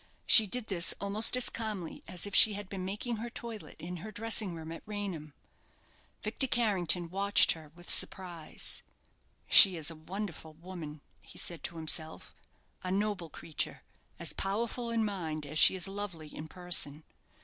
She did this almost as calmly as if she had been making her toilet in her dressing room at Raynham. Victor Carrington watched her with surprise. "She is a wonderful woman," he said to himself; "a noble creature. As powerful in mind as she is lovely in person.